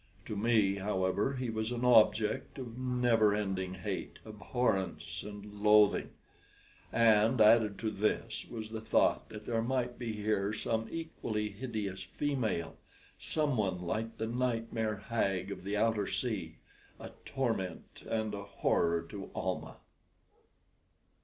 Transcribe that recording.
To me, however, he was an object of never ending hate, abhorrence, and loathing; and, added to this, was the thought that there might be here some equally hideous female someone like the nightmare hag of the outer sea a torment and a horror to Almah.